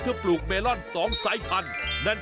ว้าว